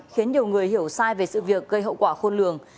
khiến nhiều người hiểu sai về sự việc gây hậu quả khôn lường